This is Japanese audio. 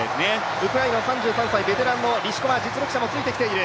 ウクライナの３３歳ベテランのリシコワ、実力者もついてきている。